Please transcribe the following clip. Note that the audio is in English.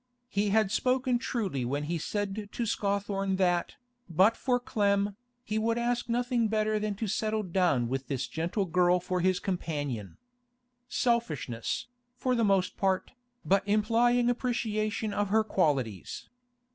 He had spoken truly when he said to Scawthorne that, but for Clem, he would ask nothing better than to settle down with this gentle girl for his companion. Selfishness, for the most part, but implying appreciation of her qualities.